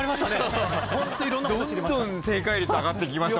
どんどん正解率上がってきました